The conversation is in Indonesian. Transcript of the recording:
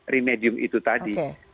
remedium itu tadi